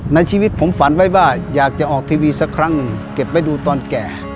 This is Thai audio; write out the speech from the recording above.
ในชีวิตผมฝันไว้ว่าอยากจะออกทีวีสักครั้งหนึ่งเก็บไว้ดูตอนแก่